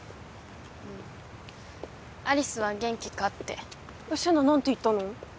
うん有栖は元気かって世奈何て言ったの？